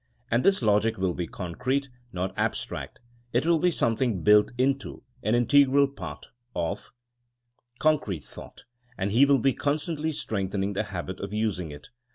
And this logic will be concrete, not abstract; it will be something built into, an integral part of, concrete thought, and he will be constantly strengthening the habit of using it.